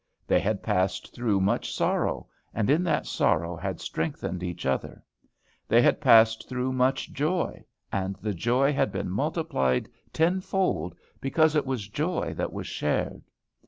They had passed through much sorrow, and in that sorrow had strengthened each other. They had passed through much joy, and the joy had been multiplied tenfold because it was joy that was shared.